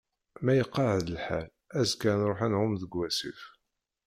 Ma iqeεεed lḥal azekka ad nruḥ ad nεumm deg asif.